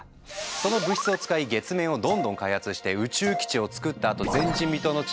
その物質を使い月面をどんどん開発して宇宙基地をつくったあと前人未踏の地